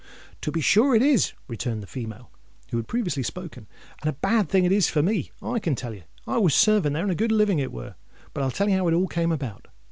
"To be sure it is," returned the female, who had previously spoken; "and a bad thing it is for me, I can tell you. I was servant there—and a good living it were. But I'll tell you how it all come about.